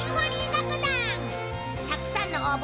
たくさんの応募